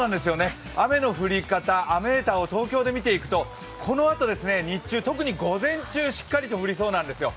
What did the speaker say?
雨の降り方、雨ーターを東京で見てみると、このあと、日中、特に午前中しっかりと降りそうなんですよ。